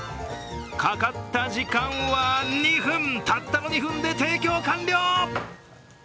かかった時間は２分、たったの２分で提供完了！